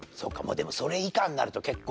でもそれ以下になると結構。